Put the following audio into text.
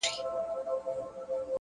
هره ورځ د نوې پیل دروازه ده!